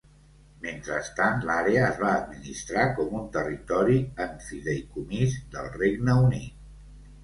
Mentrestant, l'àrea es va administrar com un territori en fideïcomís del Regne Unit.